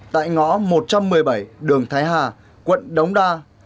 tại ngõ một trăm một mươi bảy đường thái hà quận đống đa